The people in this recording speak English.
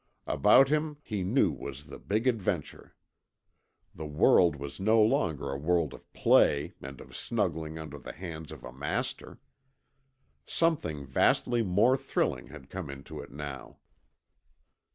About him he knew was the Big Adventure. The world was no longer a world of play and of snuggling under the hands of a master. Something vastly more thrilling had come into it now.